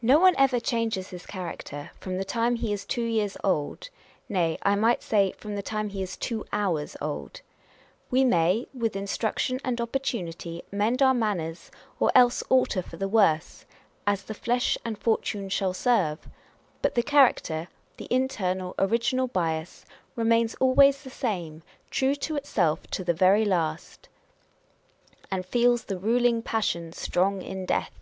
No one ever changes his character from the time he is two years old ; nay, I might say, from the time he is two hours old. We may, with instruction and opportunity, mend our manners, or else alter for the worse, â€" " as the flesh and fortune shall serve ;" but the character, the internal, original bias, remains always the same, true to itself to the very last â€" And feels the ruling passion strong in death